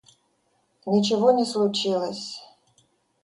Ничего не случилось